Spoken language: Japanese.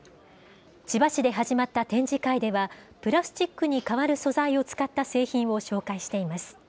千葉市で始まった展示会では、プラスチックに代わる素材を使った製品を紹介しています。